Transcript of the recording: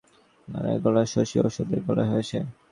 রোগীদের আজ ওষুধের সঙ্গে গাল দেয় শশী!